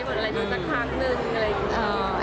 อะไรดูสักครั้งนึงอะไรอย่างนี้